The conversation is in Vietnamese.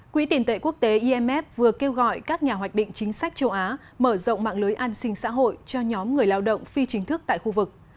quỹ tiền tệ quốc tế imf vừa kêu gọi các nhà hoạch định chính sách châu á mở rộng mạng lưới an sinh xã hội cho nhóm người lao động phi chính thức tại khu vực